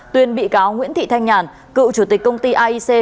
tuyên bị cáo nguyễn thị thanh nhàn cựu chủ tịch công ty aic